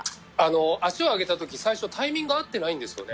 足を上げた時、最初タイミング合ってないんですよね。